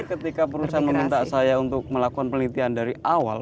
ketika perusahaan meminta saya untuk melakukan penelitian dari awal